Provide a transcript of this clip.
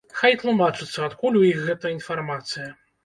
Хай тлумачацца, адкуль у іх гэта інфармацыя.